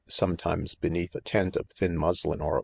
some times beneath a tent of thin muslia or